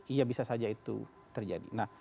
iya bisa saja itu terjadi